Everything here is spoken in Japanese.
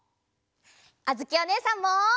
あづきおねえさんも！